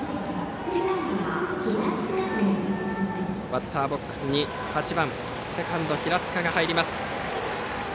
バッターボックスに８番セカンド、平塚が入ります。